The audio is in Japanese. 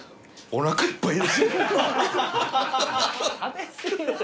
おなかいっぱい。